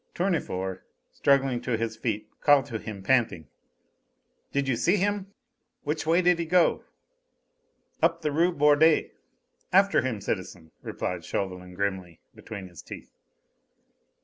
Tournefort, struggling to his feet, called to him, panting: "Did you see him? Which way did he go?" "Up the Rue Bordet. After him, citizen!" replied Chauvelin grimly, between his teeth.